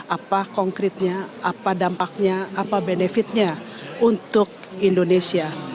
apa konkretnya apa dampaknya apa benefitnya untuk indonesia